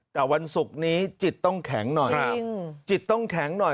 แต่วันศุกร์นี้จิตต้องแข็งหน่อยจิตต้องแข็งหน่อย